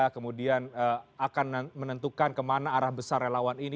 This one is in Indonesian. kemudian akan menentukan kemana arah besar relawan ini